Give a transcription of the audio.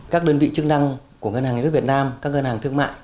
các đơn vị chức năng của ngân hàng nhà nước việt nam các ngân hàng thương mại